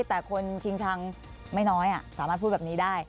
แต่คนชิงชังไม่น้อยสามารถพูดแบบนี้ได้